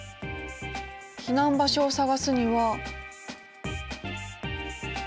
避難場所を探すには。